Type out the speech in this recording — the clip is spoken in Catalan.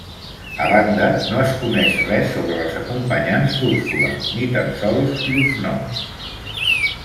A banda, no es coneix res sobre les acompanyants d'Úrsula, ni tan sols llurs noms.